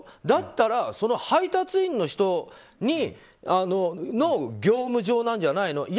だったら、配達員の人の業務上なんじゃないの？